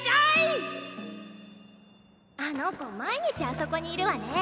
あの子毎日あそこにいるわね。